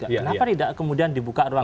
kenapa tidak kemudian dibuka ruang